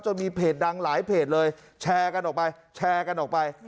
มีเพจดังหลายเพจเลยแชร์กันออกไปแชร์กันออกไป